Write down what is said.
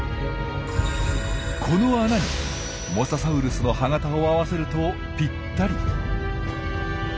この穴にモササウルスの歯形を合わせるとぴったり。